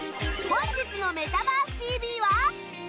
本日の「メタバースＴＶ！！」は。